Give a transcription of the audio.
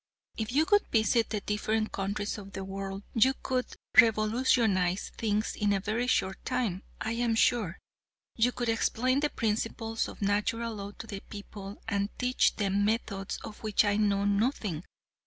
"If you would visit the different countries of the world you could revolutionize things in a very short time, I am sure. You could explain the principles of Natural Law to the people, and teach them methods of which I know nothing.